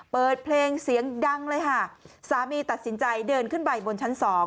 เปิดเพลงเสียงดังเลยค่ะสามีตัดสินใจเดินขึ้นไปบนชั้นสอง